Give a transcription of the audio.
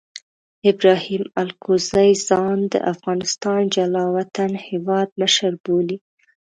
ابراهیم الکوزي ځان د افغانستان جلا وطنه هیواد مشر بولي.